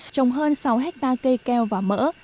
trồng hơn sáu hecta cây keo và mỡ